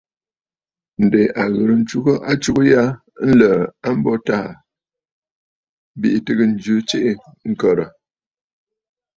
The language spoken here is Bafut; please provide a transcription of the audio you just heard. Ǹdè a ghɨ̀rə ntsugə atsugə ya nlə̀ə̀ a mbo Taà bìʼì tɨgə jɨ tsiʼì ŋ̀kə̀rə̀.